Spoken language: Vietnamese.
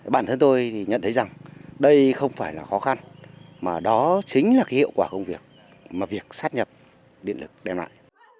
bản thân tôi thì nhận thấy rằng đây không phải là khó khăn mà đó chính là cái hiệu quả công việc mà việc sát nhập điện lực đem lại